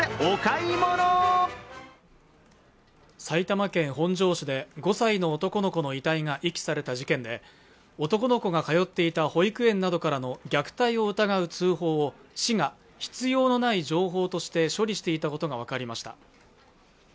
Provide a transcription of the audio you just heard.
埼玉県本庄市で５歳の男の子の遺体が遺棄された事件で男の子がかよっていた保育園などからの虐待を疑う通報を市が必要のない情報として処理していたことが分かりました